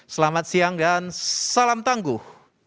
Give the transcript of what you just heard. selamat siang dan salam tangguh